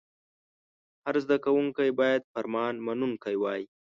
هر زده کوونکی باید فرمان منونکی وای.